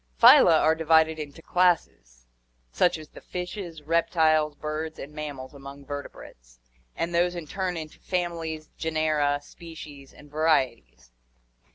— Phyla are divided into classes, such as the fishes, reptiles, birds, and mammals among vertebrates; and these in turn into families, genera, species, and varieties.